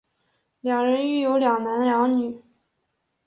两人育有两男两女。